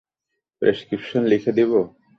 Prescription লিখে দেব?